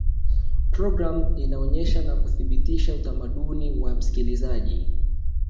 programu inaonesha na kuthibitisha utamaduni wa msikilizaji